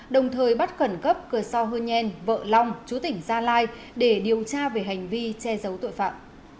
đồng thời bắt khẩn cấp cờ sao hương nhen vợ long chú tỉnh gia lai để điều tra về hành vi che giấu tội phạm